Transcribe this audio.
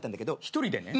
一人でね。